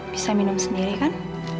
bisa minum sendiri kan